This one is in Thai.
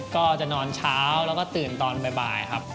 ก็จะนอนเช้าแล้วก็ตื่นตอนบ่ายครับ